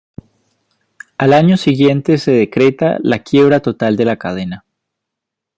Al año siguiente se decreta la quiebra total de la cadena.